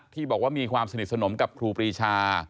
ที่บอกว่ามีความสนิทสนมกับครูปรีชา